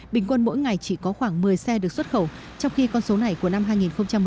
bình quân mỗi ngày chỉ có khoảng một mươi xe được xuất khẩu trong khi con số này của năm hai nghìn một mươi chín